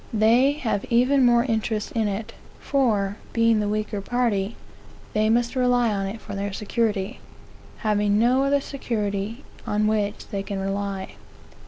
They have even more interest in it; for, being the weaker party, they must rely on it for their security, having no other security on which they can rely.